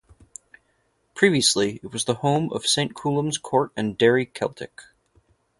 Previously it was the home of Saint Columb's Court and Derry Celtic.